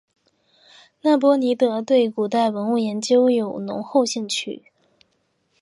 那波尼德对古代文物研究有浓厚兴趣。